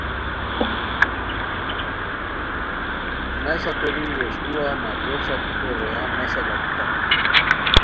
نسہ توری ویݰکوا مریو ݰاپیکو رویان نسہ لاکھیتانی